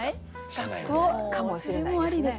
学校？かもしれないですね。